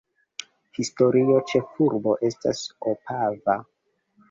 Historia ĉefurbo estas Opava.